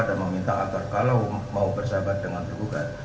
meminta agar kalau mau bersahabat dengan tergugat